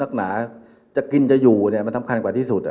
หนาจะกินจะอยู่เนี่ยมันสำคัญกว่าที่สุด